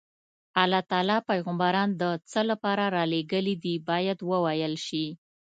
الله تعالی پیغمبران د څه لپاره رالېږلي دي باید وویل شي.